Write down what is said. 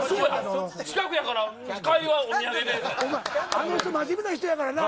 あの人、真面目な人やからな。